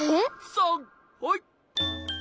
さんはい！